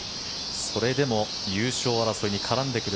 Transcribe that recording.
それでも優勝争いに絡んでくる